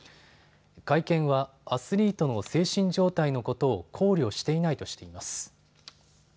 会見はアスリートの精神状態のことを考慮していないとしています。